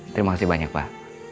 terima kasih banyak pak